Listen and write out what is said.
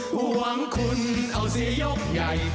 หวังคุณเอาสิยกใหญ่